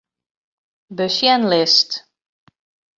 Besjenlist.